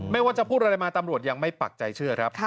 ว่าจะพูดอะไรมาตำรวจยังไม่ปักใจเชื่อครับ